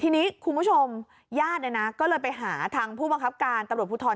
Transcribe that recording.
ทีนี้คุณผู้ชมญาติเนี่ยนะก็เลยไปหาทางผู้บังคับการตำรวจภูทร